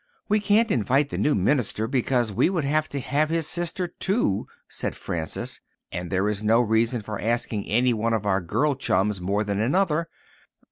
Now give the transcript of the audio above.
"We can't invite the new minister, because we would have to have his sister, too," said Frances. "And there is no reason for asking any one of our girl chums more than another."